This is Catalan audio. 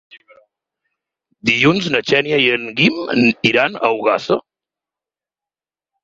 Dilluns na Xènia i en Guim iran a Ogassa.